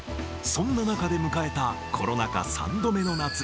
そんな中で迎えたコロナ禍３度目の夏。